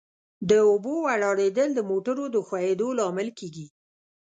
د اوبو ولاړېدل د موټرو د ښوئیدو لامل کیږي